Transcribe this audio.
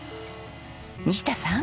西田さん。